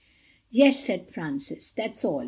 "Yes," said Francis. "That's all."